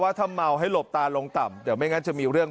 ถ้าเมาให้หลบตาลงต่ำเดี๋ยวไม่งั้นจะมีเรื่อง